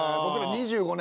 ２５年？